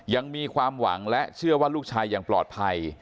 ยังมีความหวังและเชื่อว่าลูกชายยังปลอดภัย